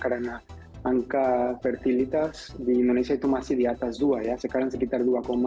karena pertilitas di indonesia itu masih di atas dua ya sekarang sekitar dua dua puluh dua